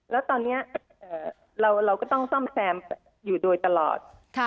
แล้วตอนนี้เราก็ต้องซ่อมแซมอยู่โดยตลอด